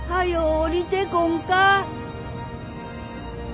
下りてこんか。